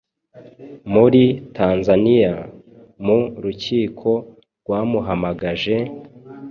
muri Tanzania mu rukiko rwamuhamagaje,